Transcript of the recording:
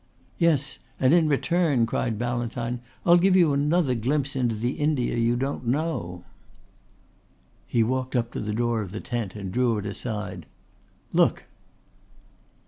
"Yes. And in return," cried Ballantyne, "I'll give you another glimpse into the India you don't know." He walked up to the door of the tent and drew it aside. "Look!"